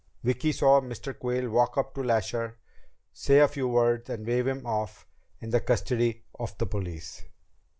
Vicki saw Mr. Quayle walk up to Lasher, say a few words, and wave him off in the custody of the police.